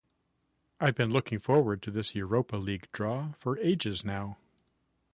I've been looking forward to this Europa League draw for ages now.